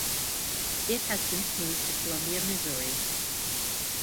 It has since moved to Columbia, Missouri.